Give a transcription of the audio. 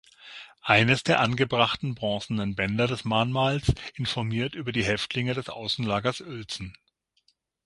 Eines der angebrachten bronzenen Bänder des Mahnmals informiert über die Häftlinge des Außenlagers Uelzen.